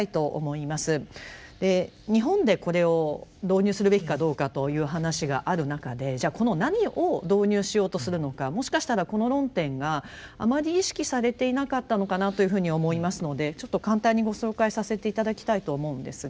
日本でこれを導入するべきかどうかという話がある中でじゃこの何を導入しようとするのかもしかしたらこの論点があまり意識されていなかったのかなというふうに思いますのでちょっと簡単にご紹介させて頂きたいと思うんですが。